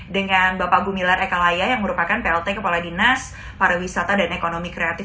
dengan bapak gumilar ekalaya yang merupakan plt kepala dinas pariwisata dan ekonomi kreatif